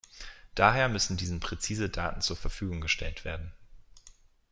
Daher müssen diesen präzise Daten zur Verfügung gestellt werden.